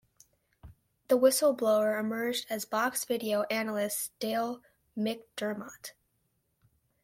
The whistleblower emerged as Boks video analyst Dale McDermott.